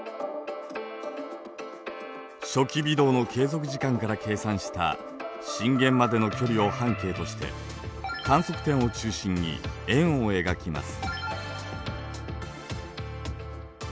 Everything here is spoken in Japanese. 初期微動の継続時間から計算した震源までの距離を半径として観測点を中心に円を描きます。